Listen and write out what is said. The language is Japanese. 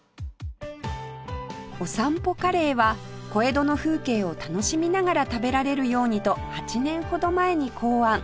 お散歩カレーは小江戸の風景を楽しみながら食べられるようにと８年ほど前に考案